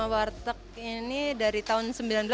warteg ini dari tahun seribu sembilan ratus sembilan puluh